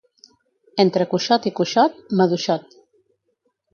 Entre cuixot i cuixot, maduixot.